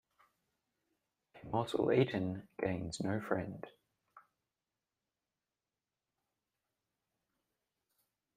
A morsel eaten gains no friend.